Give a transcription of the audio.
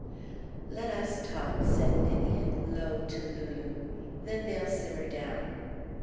"Let us talk," said Ninian low, to Lulu. "Then they'll simmer down."